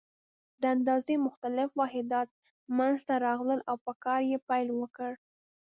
د اندازې مختلف واحدات منځته راغلل او په کار یې پیل وکړ.